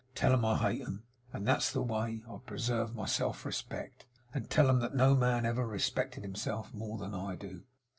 Tell 'em I hate 'em, and that that's the way I preserve my self respect; and tell 'em that no man ever respected himself more than I do!